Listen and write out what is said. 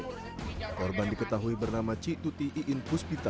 korban diketahui bernama cik tuti iin puspita